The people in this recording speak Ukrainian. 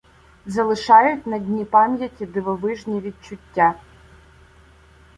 Залишають на дні пам’яті дивовижні відчуття